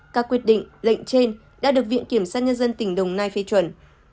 các quyết định lệnh trên đã được viện kiểm sát nhân dân tỉnh đồng nai phê chuẩn